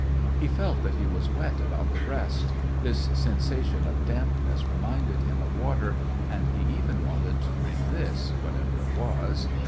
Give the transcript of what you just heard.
He felt that he was wet about the breast : this sensation of dampness reminded him of water, and he even wanted to drink this, whatever it was.